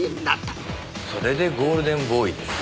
それでゴールデンボーイですか。